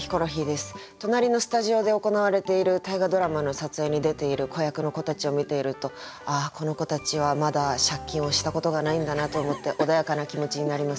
隣のスタジオで行われている大河ドラマの撮影に出ている子役の子たちを見ているとああこの子たちはまだ借金をしたことがないんだなと思って穏やかな気持ちになります。